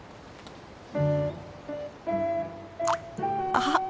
あっ！